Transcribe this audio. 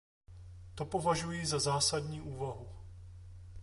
To považuji za zásadní úvahu.